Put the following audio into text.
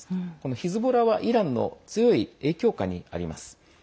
ヒズボラはイランの強い影響下にあります。